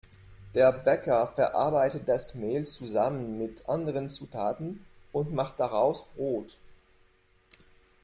Der Bäcker verarbeitet das Mehl zusammen mit anderen Zutaten und macht daraus Brot.